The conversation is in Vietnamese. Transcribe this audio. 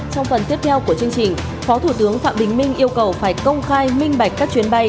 trong phần tiếp theo của chương trình phó thủ tướng phạm bình minh yêu cầu phải công khai minh bạch các chuyến bay